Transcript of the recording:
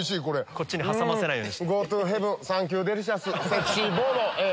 こっちに挟ませないように。